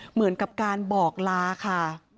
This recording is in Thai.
เหมือนกับการบอกลาค่ะ